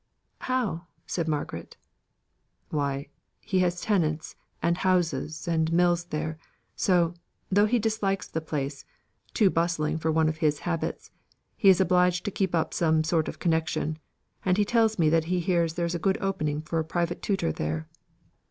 "How?" said Margaret. "Why he has tenants, and houses, and mills there; so, though he dislikes the place too bustling for one of his habits he is obliged to keep up some sort of connection; and he tells me that he hears there is a good opening for a private tutor there."